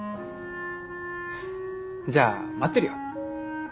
じゃあ待ってるよ。